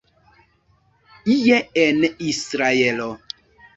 Ie en Israelo.